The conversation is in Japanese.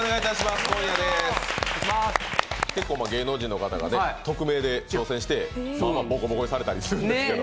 結構、芸能人の方が匿名で参加してまあまあボコボコにされたりするんですけど。